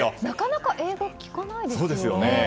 なかなか英語聞かないですよね。